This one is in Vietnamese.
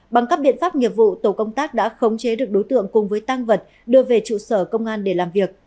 bằng các biện pháp nghiệp vụ tổ công tác đã khống chế được đối tượng cùng với tăng vật đưa về trụ sở công an để làm việc